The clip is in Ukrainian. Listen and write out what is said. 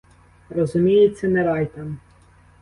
Розуміється, не рай там.